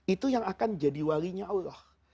itu yang akan jadi walinya allah